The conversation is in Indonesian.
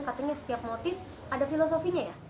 katanya setiap motif ada filosofinya ya